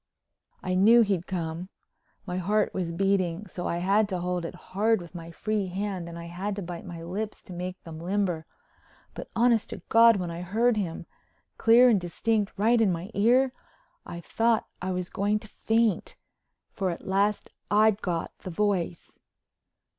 I knew he'd come. My heart was beating so I had to hold it hard with my free hand and I had to bite my lips to make them limber. But, honest to God, when I heard him—clear and distinct right in my ear—I thought I was going to faint. For at last I'd got the Voice!